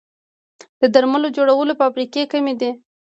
د درملو جوړولو فابریکې کمې دي